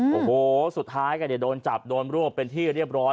โอ้โหสุดท้ายก็เนี่ยโดนจับโดนรวบเป็นที่เรียบร้อย